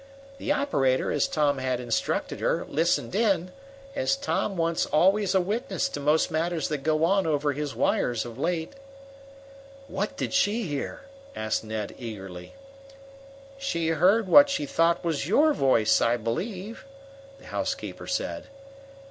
The operator, as Tom had instructed her, listened in, as Tom wants always a witness to most matters that go on over his wires of late." "What did she hear?" asked Ned eagerly. "She heard what she thought was your voice, I believe," the housekeeper said.